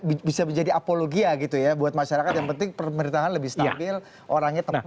bisa menjadi apologia gitu ya buat masyarakat yang penting pemerintahan lebih stabil orangnya tempat